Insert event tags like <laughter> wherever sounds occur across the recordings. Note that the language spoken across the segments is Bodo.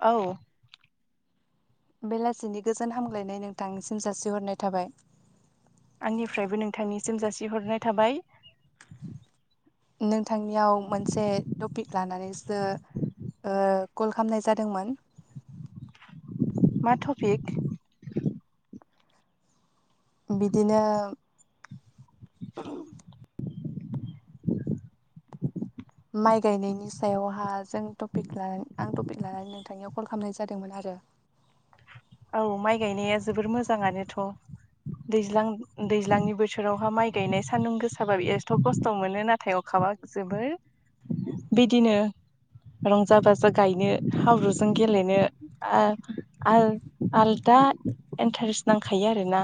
औ बेलासिनि गोजोन हामग्लायनाय नोंथांनिसिम जासिहरनाय थाबाय। आंनिफ्रायबो नोंथांनिसिम जासिहरनाय थाबाय। नोंथांनियाव मोनसे टपिक लानानैसो ओ कल खालामनाय जादोंमोन। मा टपिक? बिदिनो माइ गायनायनि सायावहा जों टपिक लानानै आं टपिक लानानै नोंथांनियाव कल खालामनाय जादोंमोन आरो। औ माइ गायनाया जोबोर मोजाङानोथ' दैज्लां दैज्लांनि बोथोरावहा माइ गायनाय सान्दुं गोसाबा एस्थ' खस्थ' मोनो नाथाय अखाबा जोबोर बिदिनो रंजा बाजा गायनो हाब्रुजों गेलेनो आ आ आलदा इन्टारेस्ट नांखायो आरोना।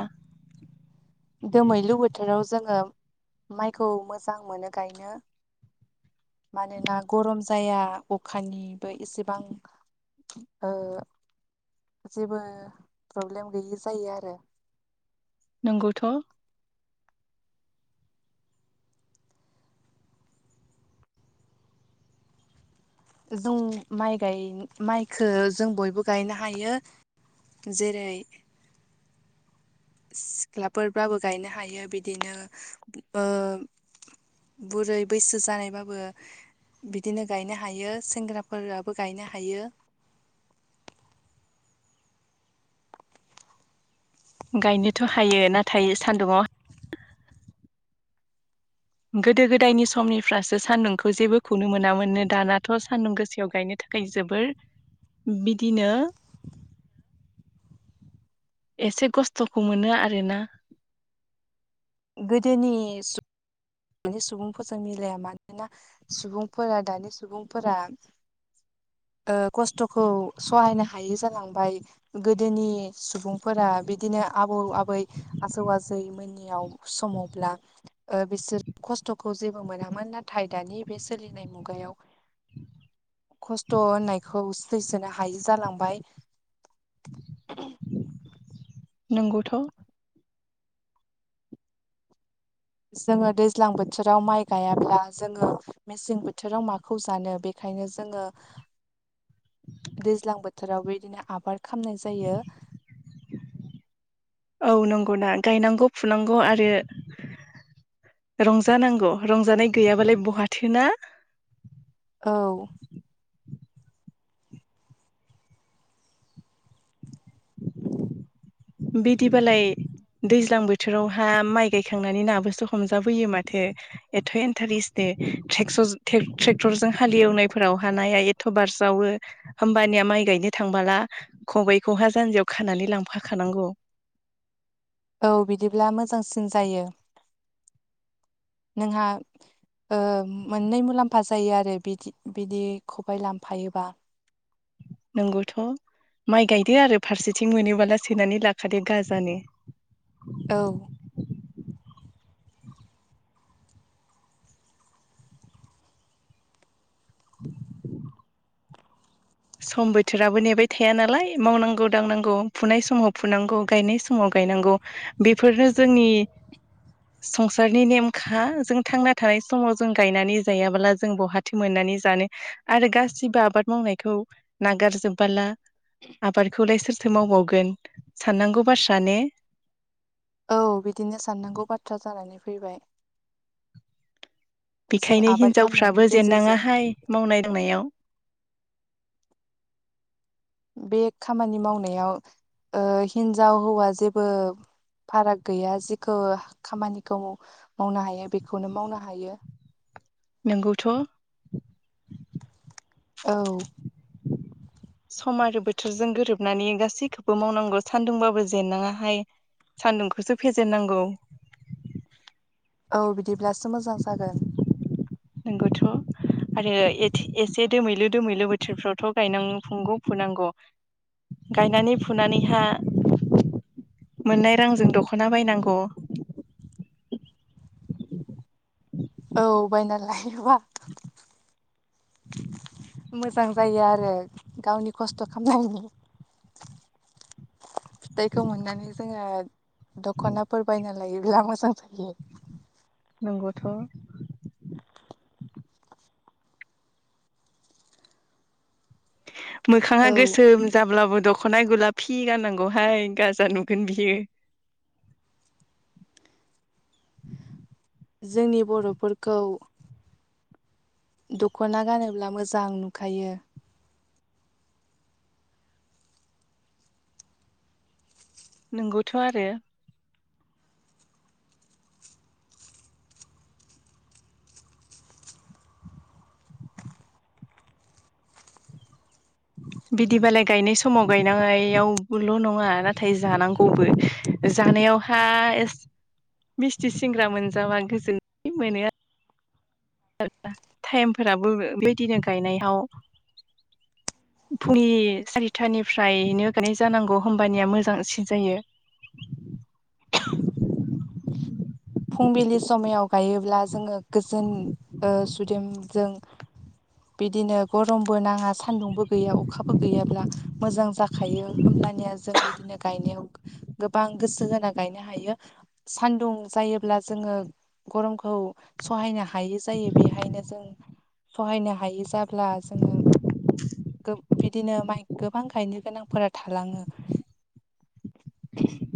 दोमैलु बोथोराव जोङो माइखौ मोजां मोनो गायनो मानोना गरम जाया अखानिबो एसेबां ओ जेबो प्रब्लेम गैयि जायो आरो। नोंगौथ'। जों माइ गाय माइखो जों बयबो गायनो हायो। जेरै सिख्लाफोरबाबो गायनो हायो बिदिनो ओ बुरै बैसो जानायबाबो बिदिनो गायनो हायो सेंग्राफोराबो गायनो हायो। गायनोथ' हायो ना थाइ सान्दुंआव गोदो गोदायनि समनिफ्रासो सान्दुंखौ जेबो खौनो मोनामोन नो दानाथ' सान्दुं गोसायाव गायनो था गाय जोबोर बिदिनो <unintelligible> एसे खस्थ'खौ मोनो आरोना। गोदोनि दानि सुबुंफोरजों मिलाया मानोना सुबुंफोरा दानि सुबुंफोरा ओ खस्थ'खौ सहायनो हायै जालांबाय। गोदोनि सुबुंफोरा बिदिनो आबौ आबै आजौ आजैमोननियाव समावब्ला ओ बिसोर खस्थ'खौ जेबो मोनामोन नाथाय दानि बे सोलिनाय मुगायाव खस्थ' होननायखौ सैसोनो हायि जालांबाय। नोंगौथ'। जोङो दैज्लां बोथोराव माइ गायाब्ला जोङो मेसें बोथोराव माखौ जानो बे ओंखायनो जोङो दैज्लां बोथोराव बेबायदिनो आबाद खामनाय जायो। औ नंगौना गायनांगौ फुनांगौ आरो। रंजानांगौ रंजानाय गैयाबालाय बहाथो ना औ। बिदिबालाय दैज्लां बोथोरावहा माइ गायखांनानै नाबोसो हमजाबोयो माथो। एथ' इन्टारेस्ट दे <unintelligible> ट्रेक्टरजों हालेवनायफोराव हानाया एथ' बारस्रावो होमबानिया माइ गायनो थांबोला खबाइखौहा जानजियाव खानानै लांफाखानांगौ। औ बिदिब्ला मोजांसिन जायो नोंहा ओ मोननै मुलाम्फा जायो आरो बिदि बिदि खबाइ लाफायोबा नोंगौथ' माइ गायदो आरो फारसेथिं मोनोबोला सोनानै लाखादो गाजानो। औ। सम बोथोराबो नेबाय थाया नालाय मावनांगौ दांनांगौ फुनाय समाव फुनांगौ गायनाय समाव गायनांगौ। बेफोरो जोंनि संसारनि नेमखा जों थांना थानाय समाव जों गायनानै जायाबोला जों बहा थो मोननानै जानो आरो गासिबो आबाद मावनायखौ नागारजोबबोला आबादखौलाय सोरथो मावबावगोन साननांगौ बाथ्रा ने औ बिदिनो साननांगौ बाथ्रा जानानै फैबाय। जों बेखायनो आबाद खालामनायनि हिनजावफ्राबो गेजेरजों जेननाङाहाय मावनाय दांनायाव। बे खामानि मावनायाव ओ हिन्जाव हौवा जेबो फाराग गैया जेखौ खामानिखौ मावनो हायो बेखौनो मावनो हायो। नोंगौथ' औ सम आरो बोथोरजों गोरोबनानै गासैखौबो मावनांगौ सान्दुंबाबो जेननाङाहाय सान्दुंखौसो फेजेन नांगौ औ बिदिब्लासो मोजां जागोन नोंगौथ' आरो एथे-एसे दोमैलु दोमैलु बोथोरफ्रावथ' गायनां फुंगौ फुनांगौ गायनानै फुनानैहा मोननाय रांजों दख'ना बायनांगौ औ बायना लायोबा मोजां जायो आरो गावनि खस्थ' खालामनांगौ फिथाइखौ मोननानै जोङो दख'नाफोर बायना लायोब्ला मोजां जायो। नोंगौथ' मोखाङा औ गोसोम जाब्लाबो दख'नाय गुलाफि गाननांगौहाय गाजा नुगोन बियो जोंनि बर'फोरखौ दख'ना गानोब्ला मोजां नुखायो। नोंगौथ' आरो बिदिबालाय गायनाय समाव गायनायावल' नङा नाथाय जानांगौबो जानायावहाय मिस्थि सिंग्रा मोनजाबा गोजोनै मोनो आरो <unintelligible> टाइमफोराबो बेबायदिनो गायनायाव <inaudible> फुंनि सारिथानिफ्रायनो गनाय जानांगौ होमबानिया मोजांसिन जायो। फुंबिलि समायाव गायोब्ला जोङो ओ गोजोन सुदेमजों बिदिनो गरमबो नाङा सान्दुंबो गैया अखाबो गैयाब्ला मोजां जा खायो होमब्लानिया जों बिदिनो गायनाव गोबां गोसो जाना गोयनो हायो सान्दुं जायो ला जोङो गरमखौ सहायनो हायि जायो बेहायनो जों सहायनो हायो जाब्ला जोङो गो बिदिनो माइ गोबां गायनो गोनांफोरा थालाङो <unintelligible>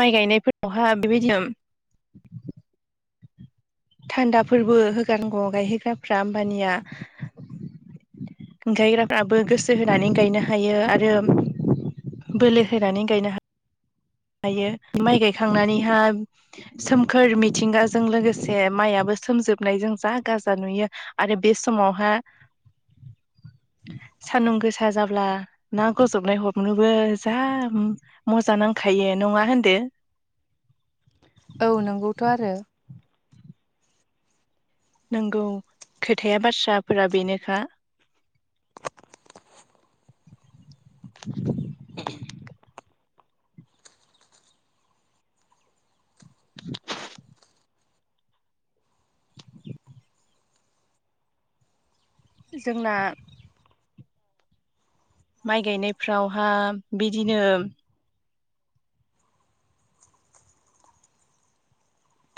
माइ गायनायफोरावहा बेबायदिनो थान्दाफोरबो होगारांगौ गायहोग्राफ्रा हम्बानिया गायग्राफ्राबो गोसो होनानै गायनो हायो आरो बोलो होनानै गायनो हायो। हायो माइ गायखांनानैहा सोमखोर मिथिंगाजों लोगोसे माइयआबो सोमजोबनायजों जा गाजा नुयो। आरो बे समावहा <inaudible> सान्दुं गोसा जाब्ला ना गजबनाय हमनोबो जा मोजां नांगौ खायो नङा होन्दो औ नोंगौथ' आरो नंगौ खोथाया बाथ्राफोरा बेनोखा जोंना माइ गायनायफ्रावहा बिदिनो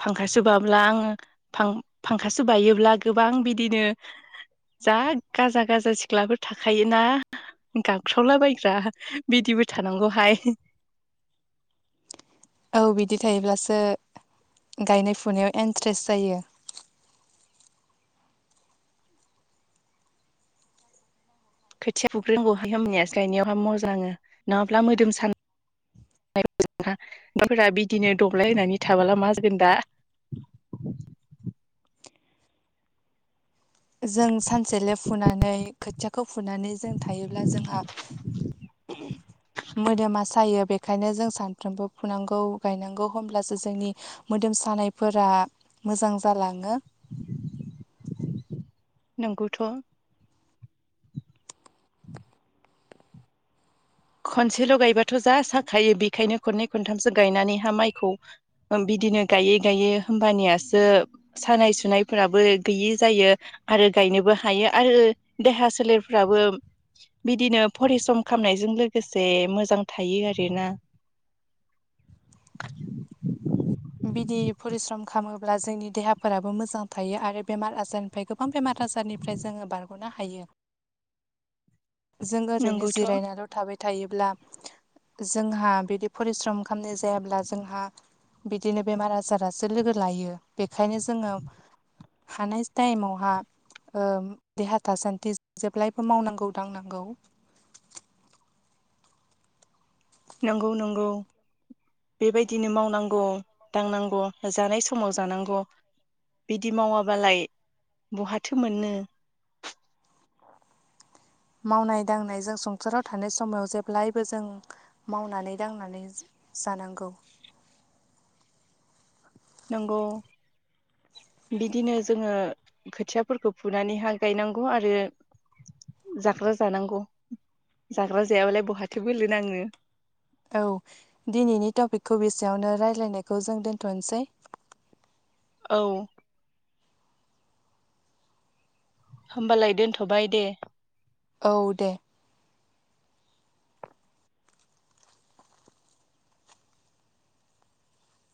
फांखा सोबाब्ला आङो फांखा सोबायोब्ला गोबां बिदिनो जा गाजा गाजा सिख्लाफोर थाखायोना गाबस्रावलाबायायग्रा बिदिबो थानांगौहाय औ बिदि थायोब्लासो गायनाय फुनायाव इन्ट्रेस्ट जायो। खोथिया फुख्रिेंहाय हनियासो गायनायावहाय मोजां नङाब्ला मोदोम सा नाफोरा बिदिनो दब्लाय होनानै थाबोला मा जोगोन दा जों सानसेले फुनानै खोथियाखौ फुनानै जों थायोब्ला जोंहा उम मोदोमा सायो बेखायनो जों सानफ्रोमबो फुनांगौ गायनांगौ होमब्लासो जोंनि। मोदोम सानायफोरा मोजां जालाङो। नोंगौथ'। खनसेल' गायबाथ' जा साखायो बेखायनो खननै खनथामसो गायनानैहा माइखौ बिदिनो गायै गायै होमबानियासो सानाय सुनायफोराबो गैयि जायो। आरो गायनोबो हायो आरो देहा सोलेरफ्राबो बिदिनो फरिश्रम खालामनायजों लोग लोगोसे मोजां थायो आरोना? बिदि फरिश्रम खालामोब्ला जोंनि देहाफोराबो मोजां थायो आरो बेमार आजारनिफ्राय गोबां बेमार आजारनि ओमफ्राय जोङो बारग'नो हायो। जों ओरैनो नंगौथ' जिरायनानैल' थाबाय थायोब्ला जोंहा बिदि फरिश्रम खालामनाय जायाब्ला जोंहा। बिदिनो बेमार आजारासो लोगो लायो बेखायनो जोङो। हानाय टाइमावहा ओ देहा थासान्दि जेब्लायबो मावनांगौ दांनांगौ। नंगौ नंगौ। बेबायदिनो मावनांगौ दांनांगौ जानाय समाव जानांगौ। बिदि मावाबालाय बहाथो मोनो मावनाय दांनाय जों संसाराव थानाय समाव जेब्लायबो जों। मावनानै दांनानै जानांगौ। नंगौ। बिदिनो जोङो खोथियाफोरखौ फुनानैहाय गायनांगौ आरो जाग्रा जानांगौ जाग्रा जायाबालाय बहाथो बोलो नाङो। औ दिनैनि टपिकखौ बेसेयावनो रायज्लायनायखौ जों दोन्थ'नोसै। औ। होमबालाय दोनथ'बाय दे। औ दे।